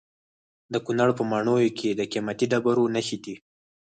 د کونړ په ماڼوګي کې د قیمتي ډبرو نښې دي.